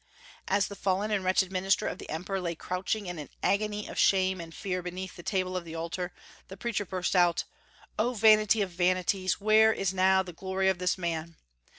As the fallen and wretched minister of the emperor lay crouching in an agony of shame and fear beneath the table of the altar, the preacher burst out: "Oh, vanity of vanities, where is now the glory of this man?